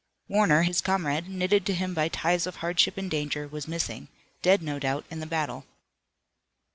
Warner, his comrade, knitted to him by ties of hardship and danger, was missing, dead no doubt in the battle.